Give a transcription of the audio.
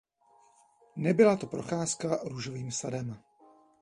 Nebyla to procházka růžovým sadem.